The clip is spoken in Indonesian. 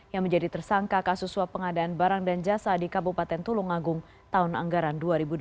yang menjadi tersangka kasus suap pengadaan barang dan jasa di kabupaten tulungagung tahun anggaran dua ribu delapan belas